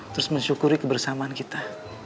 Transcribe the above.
terus mensyukuri kebersamaan kita